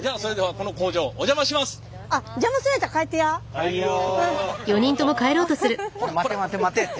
「こら待て待て待て」って。